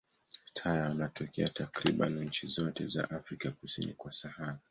Taya wanatokea takriban nchi zote za Afrika kusini kwa Sahara.